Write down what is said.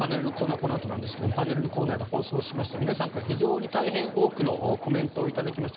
このあとなんですがパネルコーナーで放送しまして皆さんから非常に大変多くのコメントを頂きました。